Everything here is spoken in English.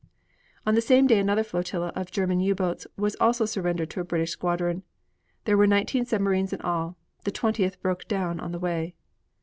On the same day another flotilla of German U boats also was surrendered to a British squadron. There were nineteen submarines in all; the twentieth broke down on the way.